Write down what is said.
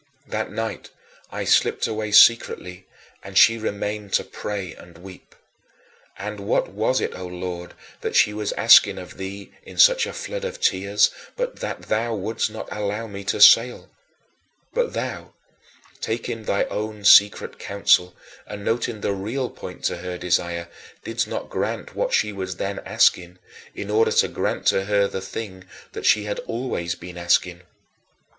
That night I slipped away secretly, and she remained to pray and weep. And what was it, O Lord, that she was asking of thee in such a flood of tears but that thou wouldst not allow me to sail? But thou, taking thy own secret counsel and noting the real point to her desire, didst not grant what she was then asking in order to grant to her the thing that she had always been asking.